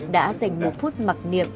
đã dành một phút mặc niệm